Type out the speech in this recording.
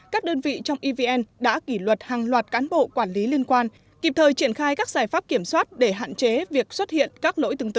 các đơn vị trong evn đã kỷ luật hàng loạt cán bộ quản lý liên quan kịp thời triển khai các giải pháp kiểm soát để hạn chế việc xuất hiện các lỗi tương tự